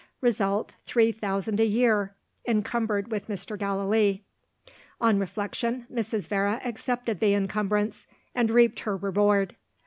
Result, three thousand a year, encumbered with Mr. Gallilee. On reflection, Mrs. Vere accepted the encumbrance and reaped her reward.